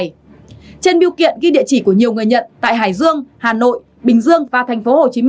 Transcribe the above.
trên biêu kiện ghi địa chỉ của nhiều người nhận tại hải dương hà nội bình dương và tp hcm